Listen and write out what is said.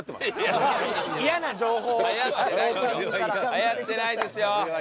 はやってないですよ！